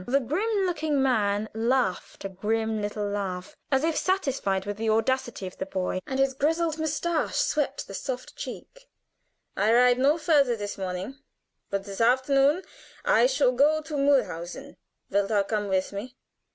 The grim looking man laughed a grim little laugh, as if satisfied with the audacity of the boy, and his grizzled mustache swept the soft cheek. "I ride no further this morning; but this afternoon I shall go to Mulhausen. Wilt thou come with me?"